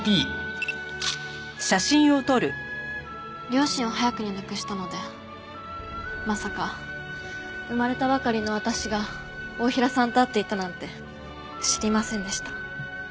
両親を早くに亡くしたのでまさか生まれたばかりの私が太平さんと会っていたなんて知りませんでした。